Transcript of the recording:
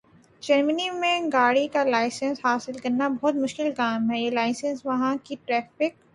۔جرمنی میں گاڑی کا لائسنس حاصل کرنا بہت مشکل کام ہے۔ یہ لائسنس وہاں کی ٹریف